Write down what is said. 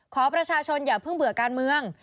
ขอประชาชนอย่าเพิ่งเบื่อการเมือง